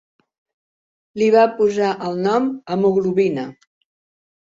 Li va posar el nom hemoglobina.